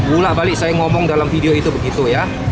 ulah balik saya ngomong dalam video itu begitu ya